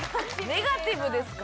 ネガティブですよ。